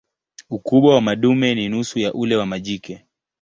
Ukubwa wa madume ni nusu ya ule wa majike.